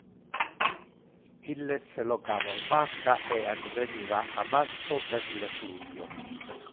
Illes locava un barca e adveniva a basso per le fluvio.